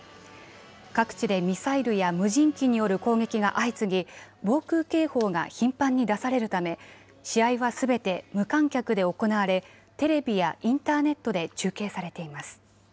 各地でミサイルや無人機による攻撃が相次ぎ防空警報が頻繁に出されるため試合はすべて無観客で行われテレビやインターネットで中継されています。